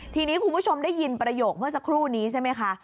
ทีนี้คุณผู้ชมได้ยินประโยคเมื่อสักครู่นี้ใช่ไหมคะ